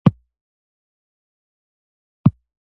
مراتیان په جنګ کې ډیر تکړه وو.